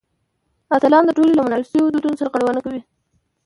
اتلان د ټولنې له منل شویو دودونو سرغړونه کوي.